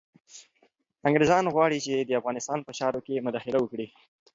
انګریزان غواړي چي د افغانستان په چارو کي مداخله وکړي.